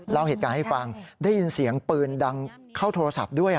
เล่าเหตุการณ์ให้ฟังได้ยินเสียงปืนดังเข้าโทรศัพท์ด้วย